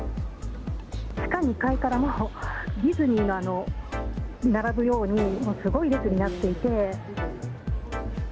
地下２階からディズニーのあの並ぶように、すごい列になっていて。